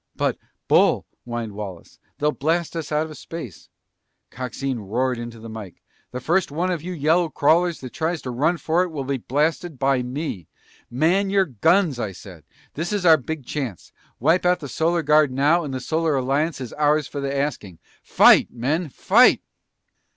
"But, Bull " whined Wallace. "They'll blast us out of space!" Coxine roared into the mike. "The first one of you yellow crawlers that tries to run for it will be blasted by me! Man your guns, I said! This is our big chance! Wipe out the Solar Guard now and the Solar Alliance is ours for the asking! Fight, men! Fight!"